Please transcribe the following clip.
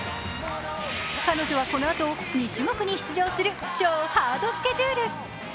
彼女はこのあと２種目に出場する超ハードスケジュール。